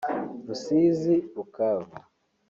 Rusizi-Bukavu